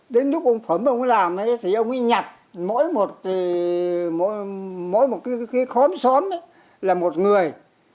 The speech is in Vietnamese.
đến lúc ông phẩm ông ấy làm ấy thì ông ấy nhặt mỗi một cái khóm xóm ấy là một người